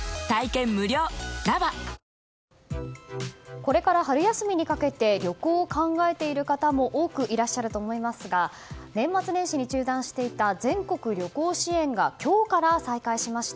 これから春休みにかけて旅行を考えている方も多くいらっしゃると思いますが年末年始に中断していた全国旅行支援が今日から再開しました。